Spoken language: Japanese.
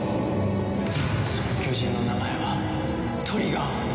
その巨人の名前はトリガー！